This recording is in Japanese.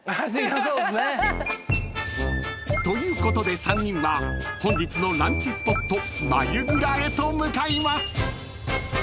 ［ということで３人は本日のランチスポット繭蔵へと向かいます］